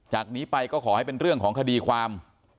จากนี้ไปก็ขอให้เป็นเรื่องของคดีความ